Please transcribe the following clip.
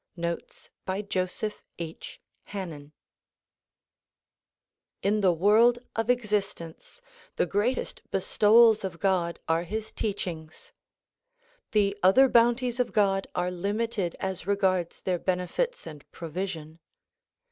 Notes by Joseph H. Hannen IN THE world of existence the greatest bestowals of God are his teachings. The other bounties of God are limited as re gards their benefits and provision.